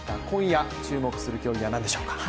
今夜注目する競技は何でしょう。